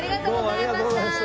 ありがとうございます。